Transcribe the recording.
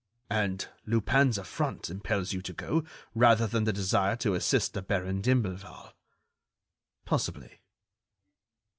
"And Lupin's affront impels you to go, rather than the desire to assist the Baron d'Imblevalle." "Possibly."